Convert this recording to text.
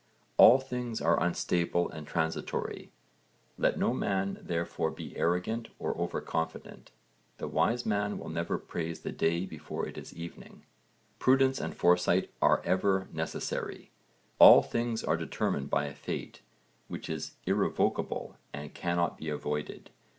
'All things are unstable and transitory, let no man therefore be arrogant or over confident. The wise man will never praise the day before it is evening.' Prudence and foresight are ever necessary. All things are determined by a fate which is irrevocable and cannot be avoided.